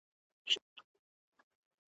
لیکلې ,